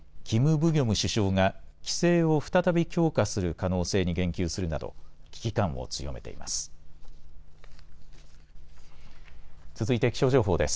ブギョム首相が規制を再び強化する可能性に言及するなど危機感を強めています。